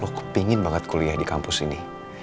aku pingin banget kuliah di kampus ini